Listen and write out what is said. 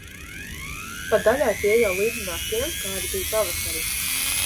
Pa daļai tie jau līdzinās tiem, kādi bija pavasarī.